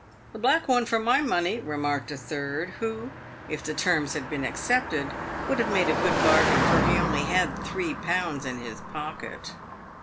" The black one for my money," remarked a third, who, if the terms had been accepted, would have made a good bargain, for he only had three pounds in his pocket.